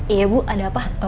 iya bu ada apa